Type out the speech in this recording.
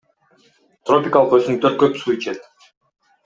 Тропикалык өсүмдүктөр көп суу ичет.